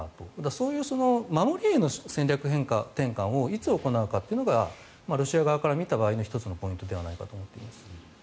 そういう守りへの戦略転換をいつ行うかというのがロシア側から見た場合の１つのポイントではないかと思います。